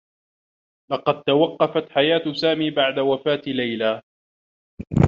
لقد توقّفت حياة سامي بعد وفاة ليلى.